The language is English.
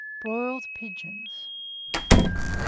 BROILED PIGEONS. 973.